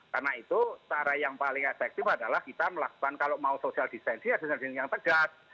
karena itu cara yang paling efektif adalah kita melakukan kalau mau social distancing harus social distancing yang tegas